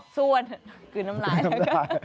ส่วนคือน้ำหลายนะคะ